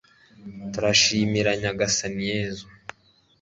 turashimira nyagasani yezu